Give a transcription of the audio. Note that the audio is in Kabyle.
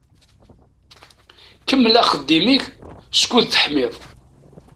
Kemmel axeddim-ik skud teḥmiḍ.